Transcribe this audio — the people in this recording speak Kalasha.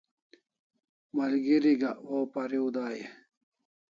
Malgeri gak waw pariu dai e?